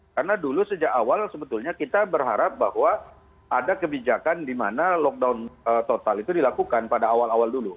karena dulu sejak awal sebetulnya kita berharap bahwa ada kebijakan di mana lockdown total itu dilakukan pada awal awal dulu